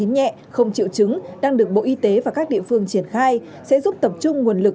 nhẹ không chịu chứng đang được bộ y tế và các địa phương triển khai sẽ giúp tập trung nguồn lực